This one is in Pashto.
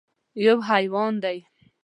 _يو حيوان دی.